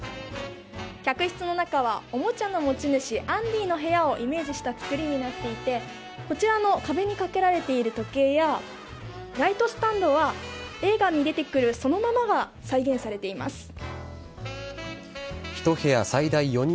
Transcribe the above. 客室の中は、おもちゃの持ち主、アンディーの部屋をイメージした作りになっていて、こちらの壁に掛けられている時計や、ライトスタンドは映画に出てくるそのままが再現されています。